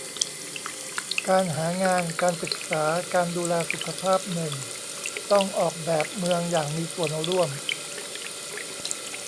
การหางาน การศึกษา การดูแลสุขภาพ หนึ่ง ต้องออกแบบเมืองอย่างมีส่วนร่วม